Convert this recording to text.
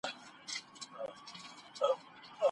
آیا پوهېږئ چي بدترین څه کیدای سي.